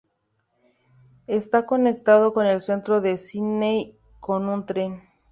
Está conectado con el centro de Sídney con un tren.